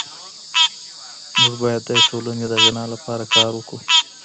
موږ بايد د ټولني د غنا لپاره کار وکړو.